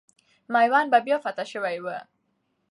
میوند به بیا فتح سوی وو.